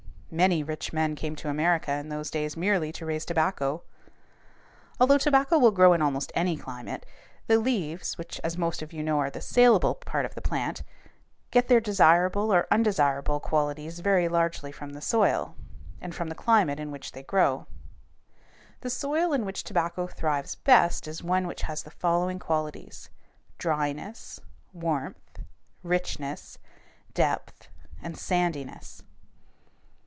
Many rich men came to America in those days merely to raise tobacco. Although tobacco will grow in almost any climate, the leaves, which, as most of you know, are the salable part of the plant, get their desirable or undesirable qualities very largely from the soil and from the climate in which they grow. The soil in which tobacco thrives best is one which has the following qualities: dryness, warmth, richness, depth, and sandiness.